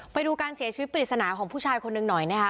ไปดูการเสียชีวิตปริศนาของผู้ชายคนหนึ่งหน่อยนะคะ